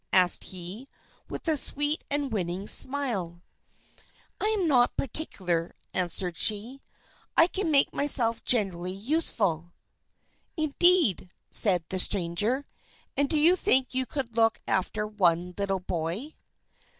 asked he, with a sweet and winning smile. "I am not particular," answered she. "I can make myself generally useful." "Indeed!" said the stranger. "And do you think you could look after one little boy?"